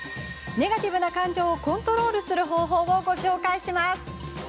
ネガティブな感情をコントロールする方法をご紹介します。